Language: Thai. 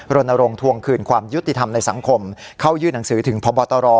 รณรงค์ทวงคืนความยุติธรรมในสังคมเข้ายื่นหนังสือถึงพบตร